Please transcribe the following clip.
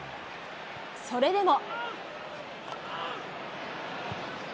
それでも。